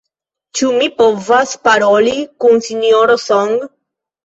Ĉu mi povas paroli kun Sinjoro Song?